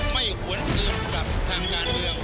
ไม่หวนอื่นกับทางด้านเรือง